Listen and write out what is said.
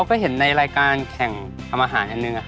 ก็เห็นในรายการแข่งทำอาหารอันหนึ่ง